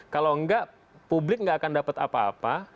kalau enggak publik nggak akan dapat apa apa